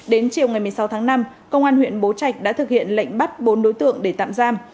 đến chiều ngày một mươi sáu tháng năm công an huyện bố trạch đã thực hiện lệnh bắt bốn đối tượng để tạm giam